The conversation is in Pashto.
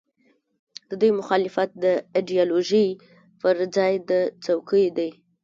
د دوی مخالفت د ایډیالوژۍ پر ځای د څوکیو دی.